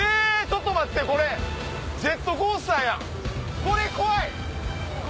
ちょっと待ってこれジェットコースターやこれ怖い。